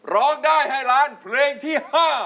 ร้องได้ให้ล้านเพลงที่๕